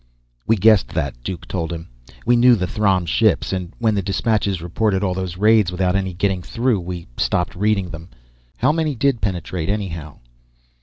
"We guessed that," Duke told him. "We knew the Throm ships. And when the dispatches reported all those raids without any getting through, we stopped reading them. How many did penetrate, anyhow?"